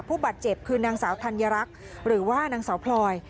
ผู้บาดเจ็บคือนางสาวธัญรักษ์หรือว่านางสาวพลอย